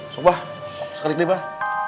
sumpah sekali deh bah